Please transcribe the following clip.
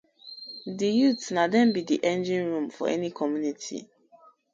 Di youths na dem bi di engine room of any community.